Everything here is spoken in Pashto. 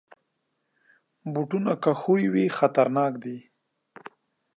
بوټونه که ښوی وي، خطرناک دي.